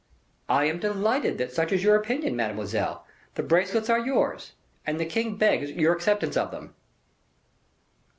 "I am delighted that such is your opinion, mademoiselle; the bracelets are yours, and the king begs your acceptance of them."